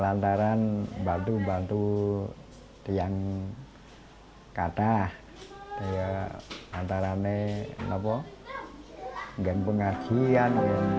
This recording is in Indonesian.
lantaran bantu bantu yang kata lantarannya pengajian